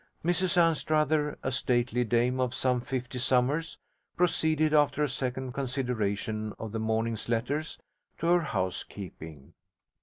Mrs Anstruther, a stately dame of some fifty summers, proceeded, after a second consideration of the morning's letters, to her housekeeping.